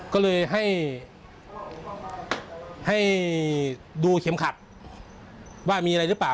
ก็เลยให้ดูเข็มขัดว่ามีอะไรหรือเปล่า